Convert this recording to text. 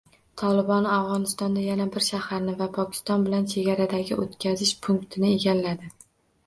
“Tolibon” Afg‘onistonda yana bir shaharni va Pokiston bilan chegaradagi o‘tkazish punktini egalladi